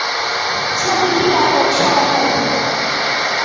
ছবিটি ব্যাপক সারা ফেলে।